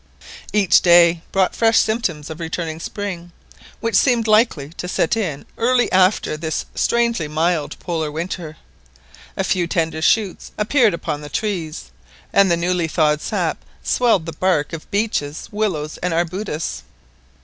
Each day brought fresh symptoms of returning spring, which seemed likely to set in early after this strangely mild Polar winter. A few tender shoots appeared upon the trees, and the newly thawed sap swelled the bark of beeches, willows, and arbutus.